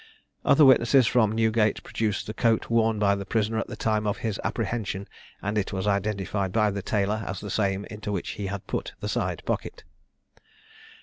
Other witnesses from Newgate produced the coat worn by the prisoner at the time of his apprehension, and it was identified by Taylor as the same into which he had put the side pocket.